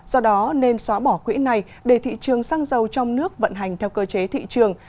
do đó nên xóa bỏ quỹ này để thị trường xăng dầu trong nước vận hành theo cơ chế thị trường